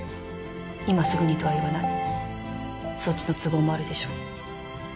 今すぐにとは言わないそっちの都合もあるでしょう